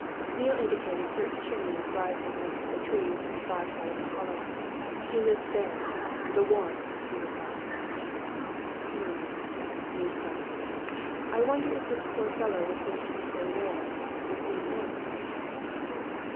Neale indicated certain chimneys rising amongst the trees on the far side of the Hollow. "He lives there The Warren," he replied. "Um!" mused Starmidge. "I wonder if this poor fellow was making his way there to see him?"